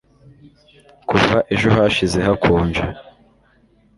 kuva ejo hashize hakonje